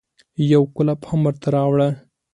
يو کولپ هم ورته راوړه.